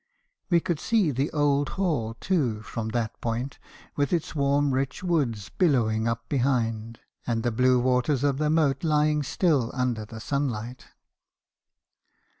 We could see the old hall, too, from that point, with its warm rich woods billowing up behind, and the blue waters of the moat lying still under the sunlight.